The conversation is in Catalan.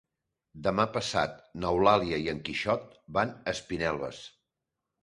Demà passat n'Eulàlia i en Quixot van a Espinelves.